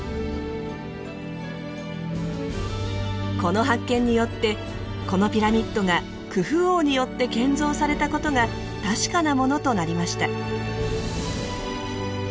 この発見によってこのピラミッドがクフ王によって建造されたことが確かなものとなりました。